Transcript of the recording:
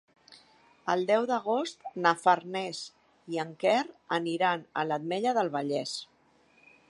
El deu d'agost na Farners i en Quer aniran a l'Ametlla del Vallès.